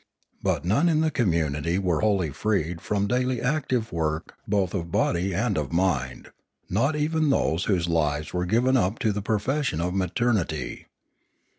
But none in the community were wholly freed from daily active work both of body and of mind, not even those whose lives were given up to the profession of maternity.